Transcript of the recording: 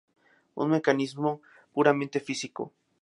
Un mecanismo puramente físico.